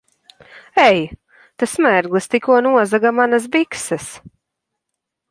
Ei! Tas mērglis tikko nozaga manas bikses!